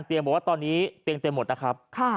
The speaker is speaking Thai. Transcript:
เตียงจริงที่หมดนะครับ